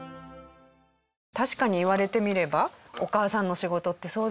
確かに言われてみればお母さんの仕事ってそうですよね。